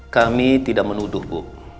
kami tidak menuduh bu